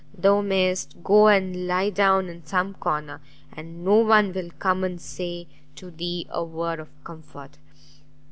thou mayst go and lie down in some corner, and no one will come and say to thee a word of comfort!"